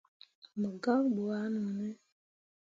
Mo gak ɓu ah none.